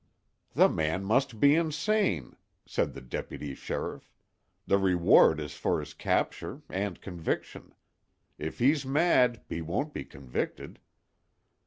"The man must be insane," said the deputy sheriff. "The reward is for his capture and conviction. If he's mad he won't be convicted."